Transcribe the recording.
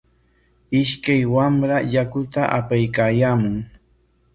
Ishkaq wamra yakuta apaykaayaamun.